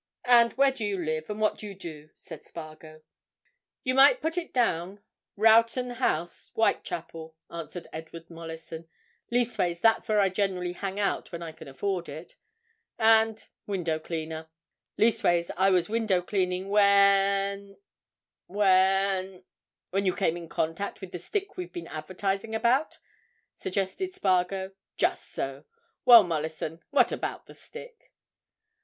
"And where do you live, and what do you do?" asked Spargo. "You might put it down Rowton House, Whitechapel," answered Edward Mollison. "Leastways, that's where I generally hang out when I can afford it. And—window cleaner. Leastways, I was window cleaning when—when——" "When you came in contact with the stick we've been advertising about," suggested Spargo. "Just so. Well, Mollison—what about the stick?"